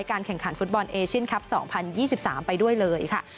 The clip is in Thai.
แข่งขันฟุตบอลเอเชียนคลับ๒๐๒๓ไปด้วยเลยค่ะ